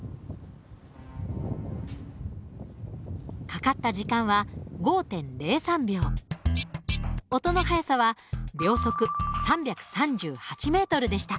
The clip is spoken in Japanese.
かかった時間は音の速さは秒速３３８ｍでした。